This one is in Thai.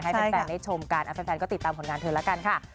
ให้แฟนได้ชมกันแฟนก็ติดตามผลงานเธอแล้วกันค่ะ